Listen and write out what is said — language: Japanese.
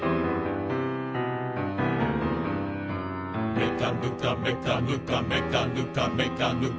「めかぬかめかぬかめかぬかめかぬか」